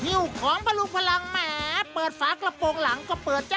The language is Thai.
ิ้วของบรรลุพลังแหมเปิดฝากระโปรงหลังก็เปิดจ้า